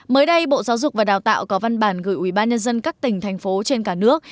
mới đây bộ giáo dục và đào tạo có văn bản gửi ubnd các tỉnh thành phố trên cả nước